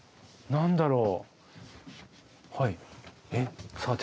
何だろう？